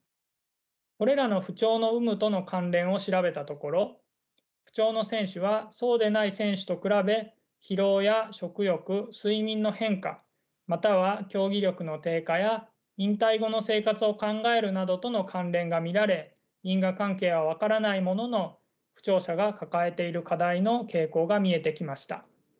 これらの不調の有無との関連を調べたところ不調の選手はそうでない選手と比べ疲労や食欲睡眠の変化または競技力の低下や引退後の生活を考えるなどとの関連が見られ因果関係は分からないものの不調者が抱えている課題の傾向が見えてきました。